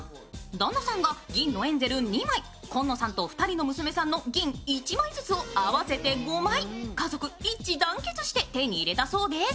旦那さんが銀のエンゼル２枚、紺野さんと２人の娘さんの銀１枚ずつを合わせて５枚、家族一致団結して手に入れたそうです。